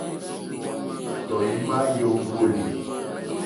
Tɔ̀ímá !yóŋɡólì.